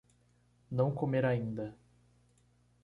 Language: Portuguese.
Não comer ainda